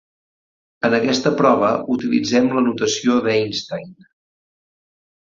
En aquesta prova utilitzem la notació d'Einstein.